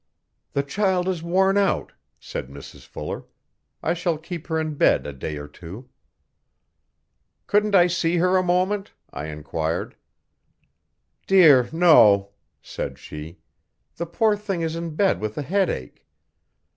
'The child is worn out,' said Mrs Fuller. 'I shall keep her in bed a day or two. 'Couldn't I see her a moment?' I enquired. 'Dear! no!' said she. 'The poor thing is in bed with a headache.'